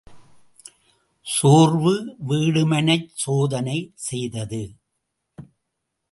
சோர்வு வீடுமனைச் சோதனை செய்தது.